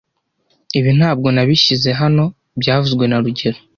Ibi ntabwo nabishyize hano byavuzwe na rugero